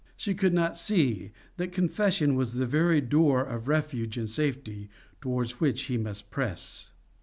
She could not see that confession was the very door of refuge and safety, towards which he must press.